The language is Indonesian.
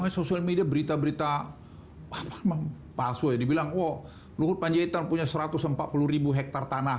sosial media berita berita memang palsu dibilang oh luhut panjaitan punya satu ratus empat puluh hektar tanah